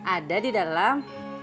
ada di dalam